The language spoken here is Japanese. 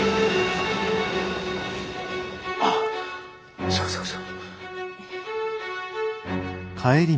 ああそうそうそう。